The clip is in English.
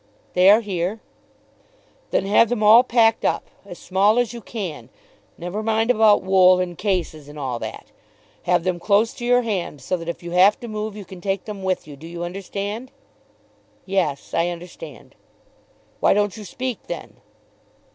"They are here." "Then have them all packed up, as small as you can; never mind about wool and cases and all that. Have them close to your hand so that if you have to move you can take them with you. Do you understand?" "Yes; I understand." "Why don't you speak, then?"